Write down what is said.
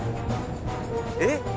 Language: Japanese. えっ？